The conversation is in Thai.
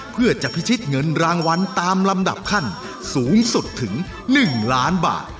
เพื่อจะพิชิตเงินรางวัลตามลำดับขั้นสูงสุดถึง๑ล้านบาท